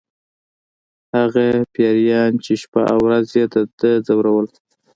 هغه پیریان چې شپه او ورځ یې د ده ځورول